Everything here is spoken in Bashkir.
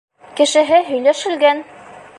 Кешеһе һөйләшелгән!